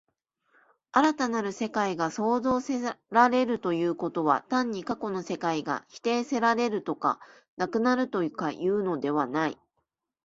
新たなる世界が創造せられるということは、単に過去の世界が否定せられるとか、なくなるとかいうのではない。